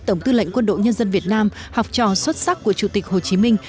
tổng tư lệnh quân đội nhân dân việt nam học trò xuất sắc của chủ tịch hồ chí minh